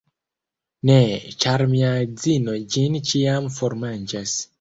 Ne, ĉar mia edzino ĝin ĉiam formanĝas.